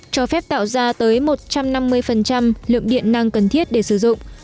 cho phép tạo ra tới một trăm năm mươi lượng điện năng cần thiết để sử dụng